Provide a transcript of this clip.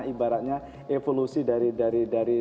ibaratnya evolusi dari